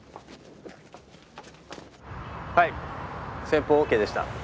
はい先方ＯＫでした。